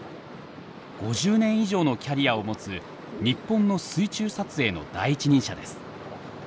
５０年以上のキャリアを持つ日本の水中撮影の第一人者です。